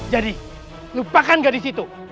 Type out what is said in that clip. jadi lupakan gadis itu